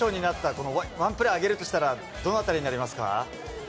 このワンプレー、挙げるとしたら、どのあたりになりますか？